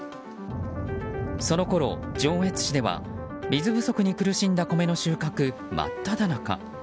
そのころ、上越市では水不足に苦しんだ米の収穫真っ只中。